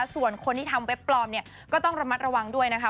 ส่วนคนที่ทำเว็บปลอมเนี่ยก็ต้องระมัดระวังด้วยนะคะ